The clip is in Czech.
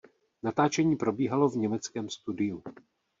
Natáčení probíhalo v německém studiu.